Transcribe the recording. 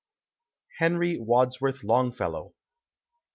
• HENRY WADSWORTII LONGFELLOW.